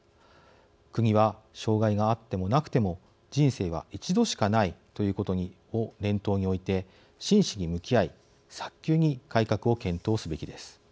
国は障害があってもなくても人生は一度しかないということを念頭に置いて真摯に向き合い早急に改革を検討すべきです。